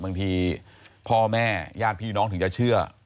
บางทีพ่อแม่ญาติพี่น้องถึงจะเชื่อ